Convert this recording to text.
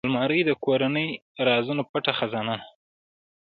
الماري د کورنۍ رازونو پټ خزانه ده